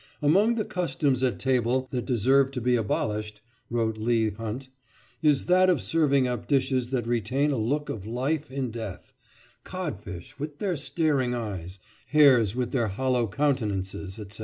"Among the customs at table that deserve to be abolished," wrote Leigh Hunt, "is that of serving up dishes that retain a look of life in death—codfish with their staring eyes, hares with their hollow countenances, etc.